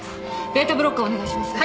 ベータブロッカーお願いします。